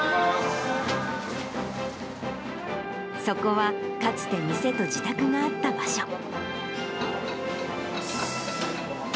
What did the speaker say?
そこは、かつて店と自宅があった場所。